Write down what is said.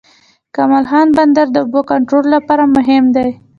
کمال خان بند د اوبو کنټرول لپاره مهم دی